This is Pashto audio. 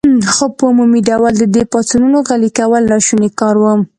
خو په عمومي ډول د دې پاڅونونو غلي کول ناشوني کار و.